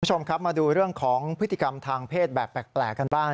คุณผู้ชมครับมาดูเรื่องของพฤติกรรมทางเพศแบบแปลกกันบ้าง